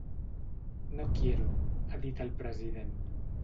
“No quiero”, ha dit el president.